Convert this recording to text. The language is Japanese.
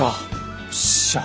よっしゃ。